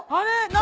何？